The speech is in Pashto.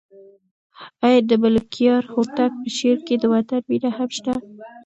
آیا د ملکیار هوتک په شعر کې د وطن مینه هم شته؟